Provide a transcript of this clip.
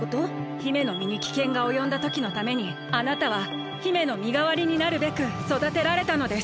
姫のみにきけんがおよんだときのためにあなたは姫のみがわりになるべくそだてられたのです。